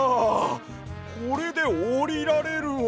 これでおりられるわ。